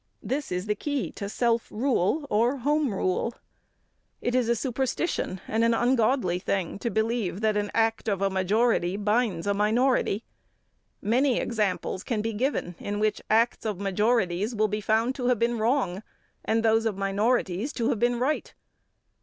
This is the key to self rule or home rule. It is a superstition and an ungodly thing to believe that an act of a majority binds a minority. Many examples can be given in which acts of majorities will be found to have been wrong, and those of minorities to have been right.